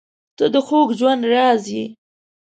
• ته د خوږ ژوند راز یې.